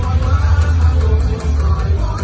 มันเป็นเมื่อไหร่แล้ว